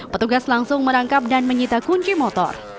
petugas langsung merangkap dan menyita kunci motor